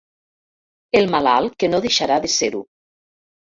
El malalt que no deixarà de ser-ho.